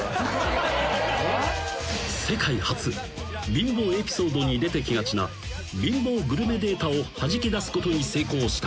［貧乏エピソードに出てきがちな貧乏グルメデータをはじき出すことに成功した］